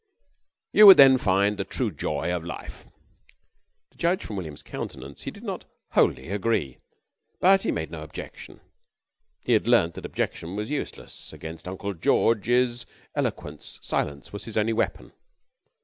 You would then find the true joy of life." To judge from William's countenance he did not wholly agree, but he made no objection. He had learnt that objection was useless, and against Uncle George's eloquence silence was his only weapon.